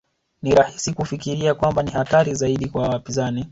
Ni rahisi kufikiria kwamba ni hatari zaidi kwa wapinzani